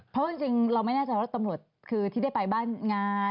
เพราะว่าจริงเราไม่แน่ใจว่าตำรวจคือที่ได้ไปบ้านงาน